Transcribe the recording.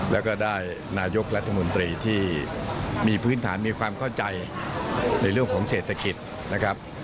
แล้วก็ได้นายกรัฐมนตรีที่มีพื้นฐานมีความเข้าใจในเรื่องของเศรษฐกิจนะครับ